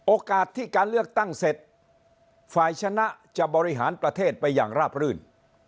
โอกาสที่การเลือกตั้งเสร็จฝ่ายชนะจะบริหารประเทศไปอย่างราบรื่น